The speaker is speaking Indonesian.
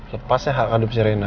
lepasnya hak adub si rena